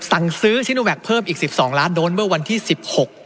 สั่งซื้อชิโนแวคเพิ่มอีกสิบสองล้านโดสเมื่อวันที่สิบหก